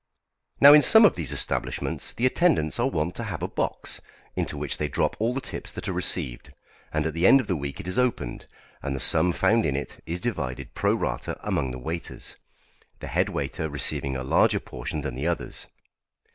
Now in some of these establishments the attendants are wont to have a box, into which they drop all the tips that are received; and at the end of the week it is opened, and the sum found in it is divided pro rata among the waiters, the head waiter receiving a larger portion than the others.